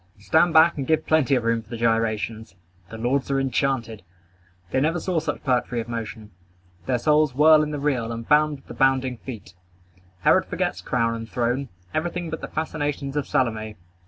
Stand back and give plenty of room for the gyrations. The lords are enchanted. They never saw such poetry of motion. Their souls whirl in the reel, and bound with the bounding feet. Herod forgets crown and throne, everything but the fascinations of Salome.